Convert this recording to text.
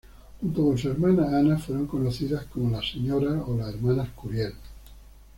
Junto con su hermana Anna fueron conocidas como las señoras o las hermanas Curiel.